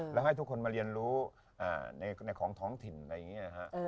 แล้วให้ทุกคนมาเรียนรู้ในของท้องถิ่นอะไรอย่างนี้นะฮะ